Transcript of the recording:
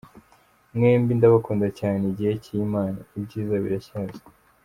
Mwembi ndabakunda cyane! Igihe cy’Imana, ibyiza biracyaza.